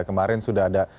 kemarin sudah ada